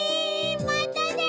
またね！